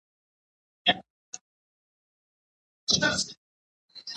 د فرهنګ په پاللو سره موږ د خپل هویت او رېښې دفاع کوو.